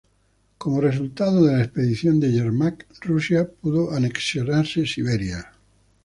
Como resultado de la expedición de Yermak, Rusia pudo anexionarse Siberia.